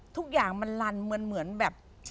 ทุกอย่างมันลันเหมือนแบบ